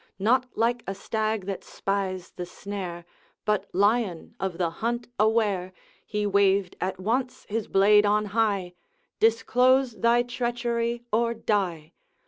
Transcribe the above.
Not like a stag that spies the snare, But lion of the hunt aware, He waved at once his blade on high, 'Disclose thy treachery, or die!'